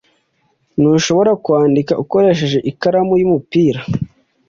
Ntushobora kwandika ukoresheje ikaramu y'umupira?